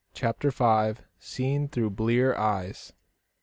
CHAPTER V. SEEN THROUGH BLEAR EYES.